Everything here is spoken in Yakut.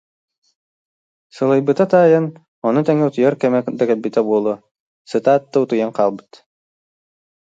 Сылайбыта таайан, ону тэҥэ утуйар кэмэ да кэлбитэ буолуо, сытаат да, утуйан хаалбыт